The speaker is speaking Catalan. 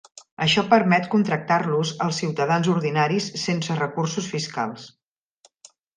Això permet contractar-los als ciutadans ordinaris sense recursos fiscals.